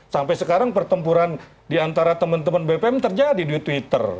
sampai sekarang pertempuran diantara teman teman bpm terjadi di twitter